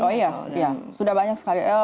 oh iya iya sudah banyak sekali